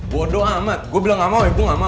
bodoh amat gue bilang gak mau itu gak mau